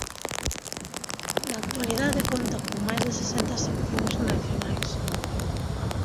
Na actualidade conta con máis de sesenta seccións nacionais.